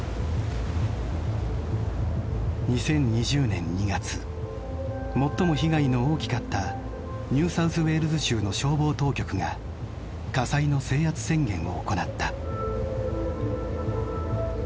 ２０２０年２月最も被害の大きかったニュー・サウス・ウェールズ州の消防当局が火災の制圧宣言を行った。